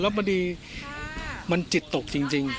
แล้วพอดีมันจิตตกจริง